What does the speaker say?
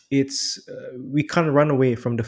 kita tidak bisa berlari dari